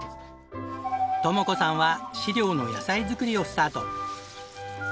智子さんは飼料の野菜づくりをスタート。